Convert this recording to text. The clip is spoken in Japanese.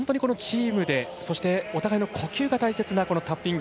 お互いの呼吸が大切なタッピング。